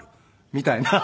みたいな。